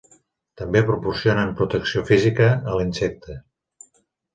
També proporcionen protecció física a l'insecte.